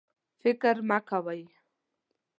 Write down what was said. فکر مه کوئ